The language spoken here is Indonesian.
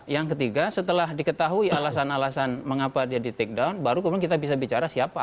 yang ketiga setelah diketahui alasan alasan mengapa dia di take down baru kemudian kita bisa bicara siapa